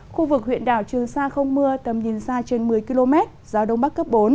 khu vực huyện đảo trường sa không mưa tầm nhìn xa trên một mươi km gió đông bắc cấp bốn